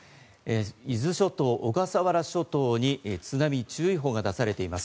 伊豆諸島、小笠原諸島に津波注意報が出されています。